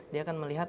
dia akan melihat